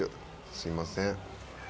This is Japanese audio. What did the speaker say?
すみません。